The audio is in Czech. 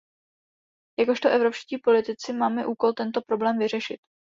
Jakožto evropští politici máme úkol tento problém vyřešit .